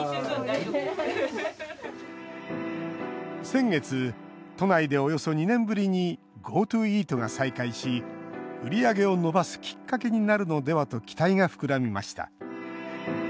先月、都内でおよそ２年ぶりにＧｏＴｏイートが再開し売り上げを伸ばすきっかけになるのではと期待が膨らみました。